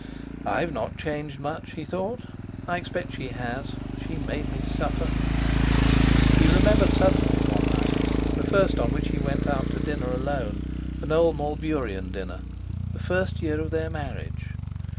"I've not changed much," he thought; "I expect she has. She made me suffer." He remembered suddenly one night, the first on which he went out to dinner alone—an old Malburian dinner—the first year of their marriage.